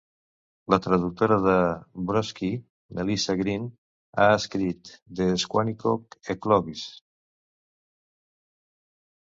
La traductora de Brodsky, Melissa Green, ha escrit "The Squanicook Eclogues".